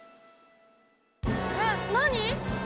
えっ何？